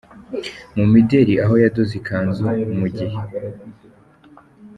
Mu mideli aho yadoze ikanzu mu gihe.